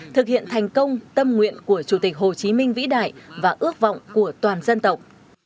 thực hiện thành công tâm nguyện của chủ tịch hồ chí minh vĩ đại và ước vọng của toàn dân tộc